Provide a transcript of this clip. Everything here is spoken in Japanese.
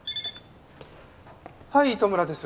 はい糸村です。